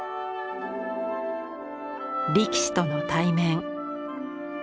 力士との対面。